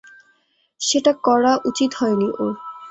সেটা করা উচিৎ হয়নি ওর।